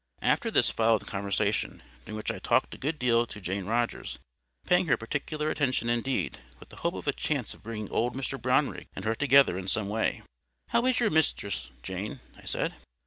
After this followed conversation, during which I talked a good deal to Jane Rogers, paying her particular attention indeed, with the hope of a chance of bringing old Mr Brownrigg and her together in some way. "How is your mistress, Jane?" I said.